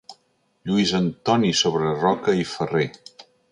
Lluís Antoni Sobreroca i Ferrer.